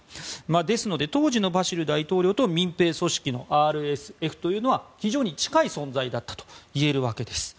ですので、当時のバシル大統領と民兵組織のＲＳＦというのは非常に近い存在だったといえるわけです。